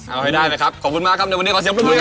เอาให้ได้นะครับขอบคุณมากครับในวันนี้ขอเสียงปรบบุรีครับ